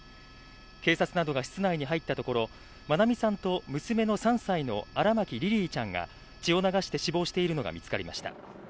警察などが室内に入ったところ、愛美さんと娘の３歳の荒牧リリィちゃんが血を流して死亡しているのが見つかりました。